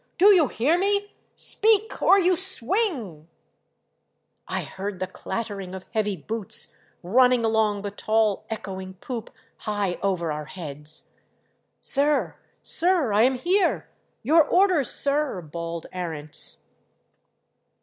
Do you hear me ? Speak — or you swing !" I heard the clattering of heavy boots running along the tall echoing poop high over our heads. " Sir — sir — I am here ! Your orders, sir i^" bawled Arents.